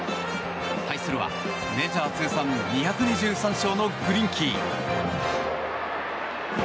対するはメジャー通算２２３勝のグリンキー。